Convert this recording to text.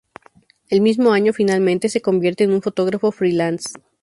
El mismo año finalmente se convierte en un fotógrafo freelance.